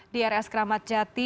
di rs keramat jati